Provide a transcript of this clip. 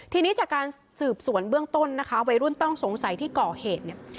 ทีนี้จากการสืบสวนเบื้องต้นวัยรุ่นต้องสงสัยที่เกาะเหตุ